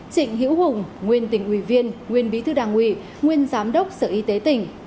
trịnh hiễu hùng nguyên tỉnh ủy viên nguyên bí thư đảng ủy nguyên giám đốc sở y tế tỉnh